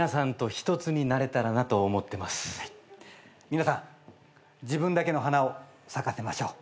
皆さん自分だけの花を咲かせましょう。